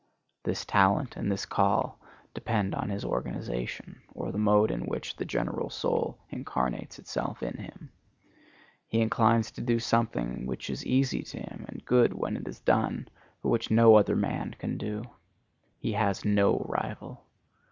This talent and this call depend on his organization, or the mode in which the general soul incarnates itself in him. He inclines to do something which is easy to him and good when it is done, but which no other man can do. He has no rival.